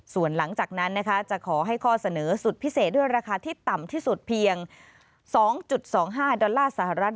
ส่วนหลังจากนั้นจะขอให้ข้อเสนอสุดพิเศษด้วยราคาที่ต่ำที่สุดเพียง๒๒๕ดอลลาร์สหรัฐ